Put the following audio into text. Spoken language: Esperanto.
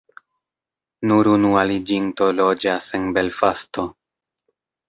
Nur unu aliĝinto loĝas en Belfasto.